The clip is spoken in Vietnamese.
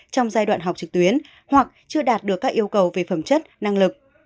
trong giai đoạn học trực tuyến hoặc chưa đạt được các yêu cầu về phẩm chất năng lực